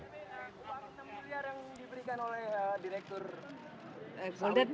bukti yang diberikan oleh direktur